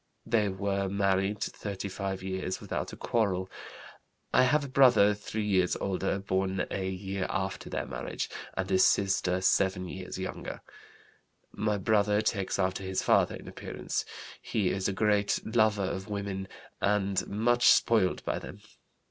They were married thirty five years without a quarrel. I have a brother three years older, born a year after their marriage, and a sister seven years younger. "My brother takes after his father in appearance. He is a great lover of women and much spoiled by them.